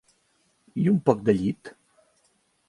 I un poc de llit.